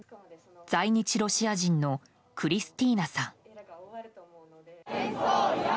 在日ロシア人のクリスティーナさん。